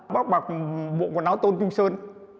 bác bạc bộ quần áo tôn trung sơn